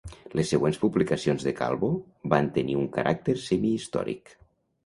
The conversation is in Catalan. Les següents publicacions de Calvo van tenir un caràcter semihistòric.